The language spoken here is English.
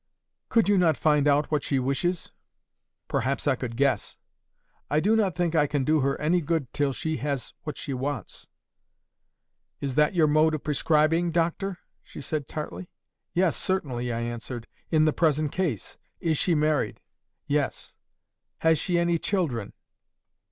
"'Could you not find out what she wishes?' "'Perhaps I could guess.' "'I do not think I can do her any good till she has what she wants.' "'Is that your mode of prescribing, doctor?' she said, tartly. "'Yes, certainly,' I answered—'in the present case. Is she married?' "'Yes.' "'Has she any children?